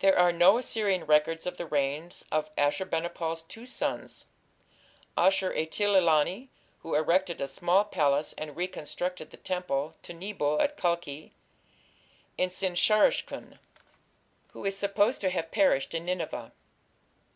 There are no Assyrian records of the reigns of Ashur bani pal's two sons, Ashur etil ilani who erected a small palace and reconstructed the temple to Nebo at Kalkhi and Sin shar ishkun, who is supposed to have perished in Nineveh.